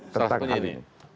salah satunya ini